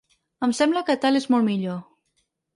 Em sembla que tal és molt millor.